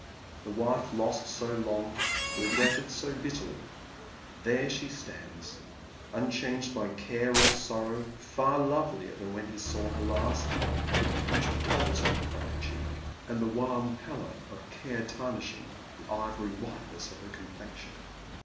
The wife lost so long, regretted so bitterly — there she stands, unchanged by care or son ow, far lovelier than when he saw her last with the pinch of poverty on her cheek, and the wan pallor of care tarnishing the ivory white ness of her complexion.